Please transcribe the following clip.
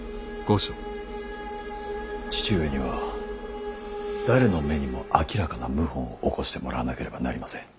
父上には誰の目にも明らかな謀反を起こしてもらわなければなりません。